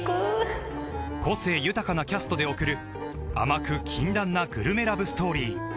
個性豊かなキャストで送る甘く禁断なグルメラブストーリー